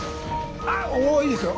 あっおおいいですよ。